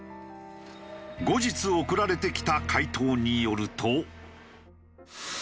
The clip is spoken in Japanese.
後日送られてきた回答によると。